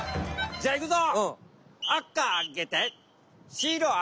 じゃあいくぞ！